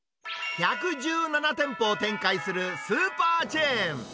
１１７店舗を展開するスーパーチェーン。